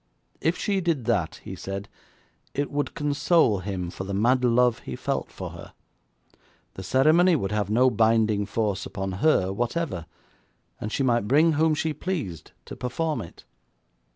If she did that, he said, it would console him for the mad love he felt for her. The ceremony would have no binding force upon her whatever, and she might bring whom she pleased to perform it.